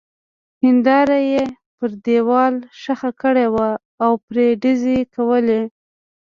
هېنداره يې پر دېوال ښخه کړې وه او پرې ډزې کولې.